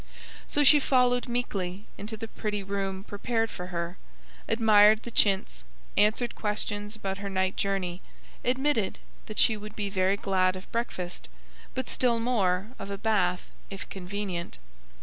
So she followed meekly into the pretty room prepared for her; admired the chintz; answered questions about her night journey; admitted that she would be very glad of breakfast, but still more of a bath if convenient.